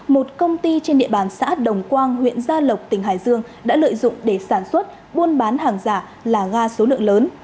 một công ty trên địa bàn xã đồng quang huyện gia lộc tỉnh hải dương đã lợi dụng để sản xuất buôn bán hàng giả là ga số lượng lớn